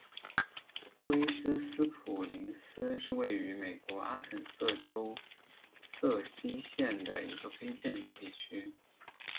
威茨斯普林斯是位于美国阿肯色州瑟西县的一个非建制地区。